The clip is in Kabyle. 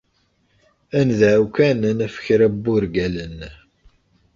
Ad nedɛu kan ad naf kra n wurgalen.